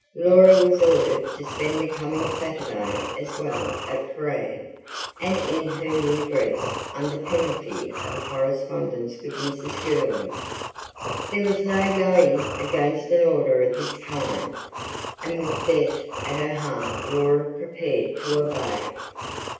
Laura was ordered to spend the coming Saturday as well at Prahran, and in her new dress, under penalty of a correspondence with Mrs. Gurley. There was no going against an order of this kind, and with death at her heart Laura prepared to obey.